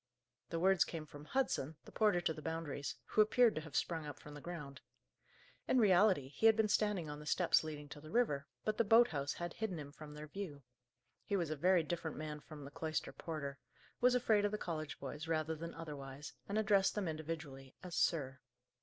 The words came from Hudson, the porter to the Boundaries, who appeared to have sprung up from the ground. In reality, he had been standing on the steps leading to the river, but the boat house had hidden him from their view. He was a very different man from the cloister porter; was afraid of the college boys, rather than otherwise, and addressed them individually as "sir."